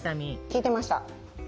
聞いてました。